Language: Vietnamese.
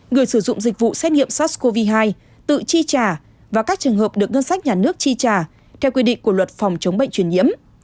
người sử dụng dịch vụ xét nghiệm sars cov hai tự chi trả và các trường hợp được ngân sách nhà nước chi trả theo quy định của luật phòng chống bệnh truyền nhiễm